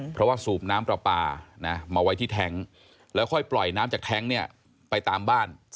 เพราะว่าสูบน้ำปลาปลามาไว้ที่แท้งแล้วค่อยปล่อยน้ำจากแท้งเนี่ยไปตามบ้าน